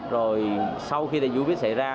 rồi sau khi đại dịch covid xảy ra